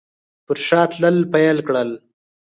پر شا تلل پیل کړل.